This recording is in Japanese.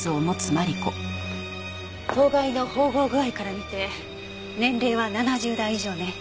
頭蓋の縫合具合からみて年齢は７０代以上ね。